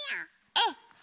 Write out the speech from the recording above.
うん。